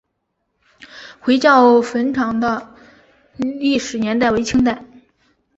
回教坟场的历史年代为清代。